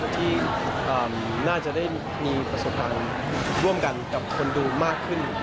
ที่น่าจะได้มีประสบการณ์ร่วมกันกับคนดูมากขึ้น